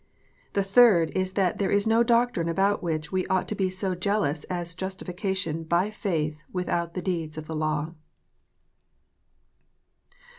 The third is, that there is no doctrine about which ire ought to be so jealous as justification by faith without the deeds of the law.